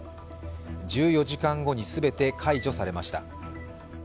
１４時間後に全て解除されました。